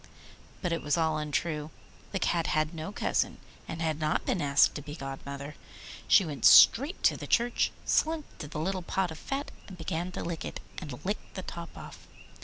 But it was all untrue. The Cat had no cousin, and had not been asked to be godmother. She went straight to the church, slunk to the little pot of fat, began to lick it, and licked the top off.